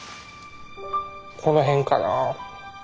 この辺かな。